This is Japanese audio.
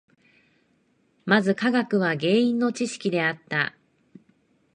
まず科学は原因の知識であった。